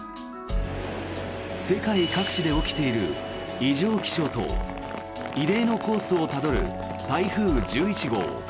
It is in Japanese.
世界各地で起きている異常気象と異例のコースをたどる台風１１号。